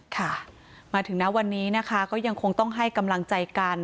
ค่ะมาถึงนะวันนี้นะคะก็ยังคงต้องให้กำลังใจกัน